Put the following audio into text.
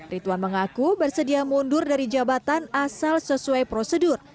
rituan mengaku bersedia mundur dari jabatan asal sesuai prosedur